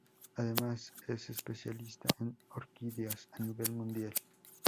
Además, es especialista en orquídeas, a nivel mundial.